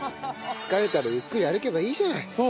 疲れたらゆっくり歩けばいいじゃない。